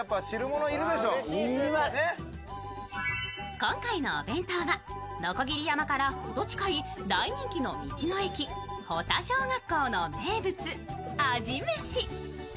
今回のお弁当は鋸山からほど近い大人気の道の駅保田小学校の名物、鯵飯。